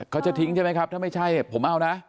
เขาจะทิ้งใช่ไหมครับถ้าไม่ใช่ผมเอานะ